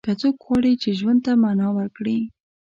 که څوک غواړي چې ژوند ته معنا ورکړي.